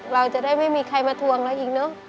เราจะได้ไม่มีใครมาทวงเราอีกเนอะ